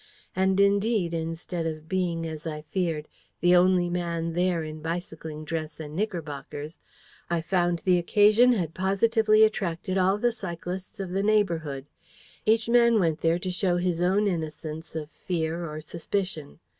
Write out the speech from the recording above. And, indeed, instead of being, as I feared, the only man there in bicycling dress and knickerbockers, I found the occasion had positively attracted all the cyclists of the neighbourhood. Each man went there to show his own innocence of fear or suspicion.